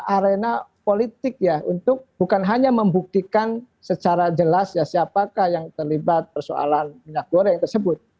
arena politik ya untuk bukan hanya membuktikan secara jelas ya siapakah yang terlibat persoalan minyak goreng tersebut